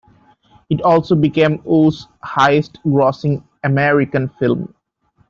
It also became Woo's highest-grossing American film.